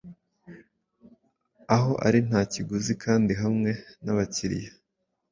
aho ari nta kiguzi kandi hamwe nabakiriya